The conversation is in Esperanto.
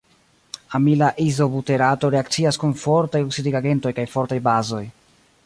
Amila izobuterato reakcias kun fortaj oksidigagentoj kaj fortaj bazoj.